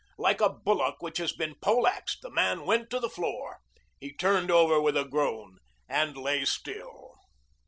Like a bullock which has been pole axed the man went to the floor. He turned over with a groan and lay still.